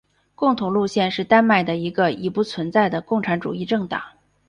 共同路线是丹麦的一个已不存在的共产主义政党。